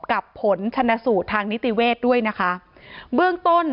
ผลชนสูตรทางนิติเวศด้วยนะคะเบื้องต้น